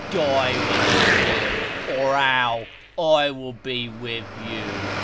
Die when you will, or how, I will be with you.